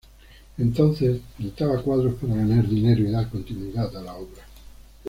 Entonces pintaba cuadros para ganar dinero y dar continuidad a la obra".